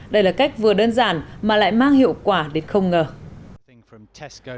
đây là cách vừa đơn giản mà lại mang hiệu quả đến không ngờ